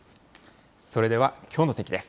それではきょうの天気です。